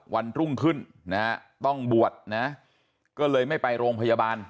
วันรุ่งขึ้นนะฮะต้องบวชนะก็เลยไม่ไปโรงพยาบาล